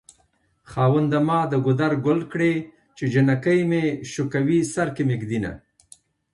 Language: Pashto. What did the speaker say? خاونده ما دګودر ګل کړی چې جنکي مې شوکوی سرکې مې ږد ينه